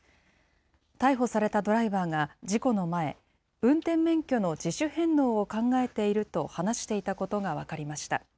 逮捕されたドライバーが事故の前、運転免許の自主返納を考えていると話していたことが分かりました。